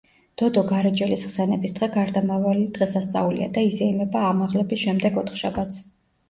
დოდო გარეჯელის ხსენების დღე გარდამავალი დღესასწაულია და იზეიმება ამაღლების შემდეგ ოთხშაბათს.